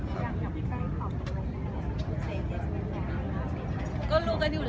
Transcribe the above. บอกมองไกล